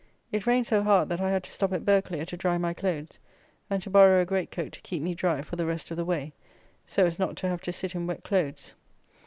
It rained so hard that I had to stop at Burghclere to dry my clothes, and to borrow a great coat to keep me dry for the rest of the way; so as not to have to sit in wet clothes.